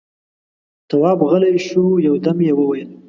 تواب غلی شو، يودم يې وويل: